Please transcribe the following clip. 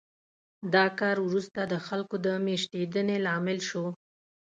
دا کار وروسته د خلکو د مېشتېدنې لامل شو